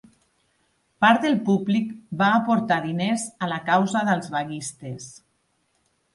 Part del públic va aportar diners a la causa dels vaguistes.